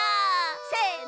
せの！